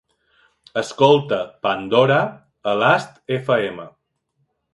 Escolta Pandora a Last Fm